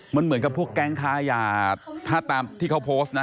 มันเหมือนกับพวกแก๊งค้ายาถ้าตามที่เขาโพสต์นะ